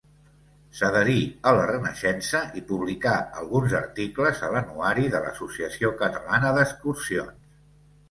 S'adherí a la Renaixença i publicà alguns articles a l'Anuari de l'Associació Catalana d'Excursions.